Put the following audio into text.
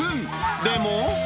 でも。